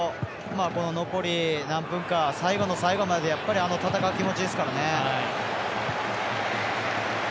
この残り何分か、最後の最後までやっぱりあの戦う気持ちですからね。